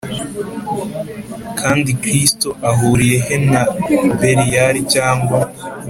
Kandi kristo ahuriye he na beliyali cyangwa